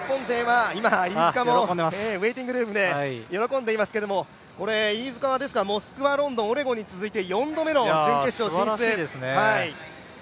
今、ウエイティングルームで喜んでいますがこれ、飯塚はモスクワ、ロンドン、オレゴンに続いて４度目の準決勝進出で。